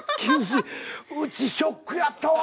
「うちショックやったわ」